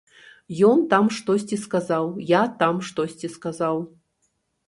Ён там штосьці сказаў, я там штосьці сказаў.